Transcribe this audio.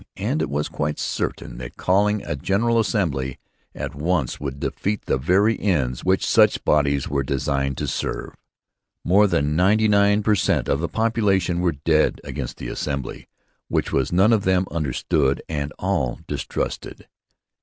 And it was quite certain that calling a 'General Assembly' at once would defeat the very ends which such bodies are designed to serve. More than ninety nine per cent of the population were dead against an assembly which none of them understood and all distrusted.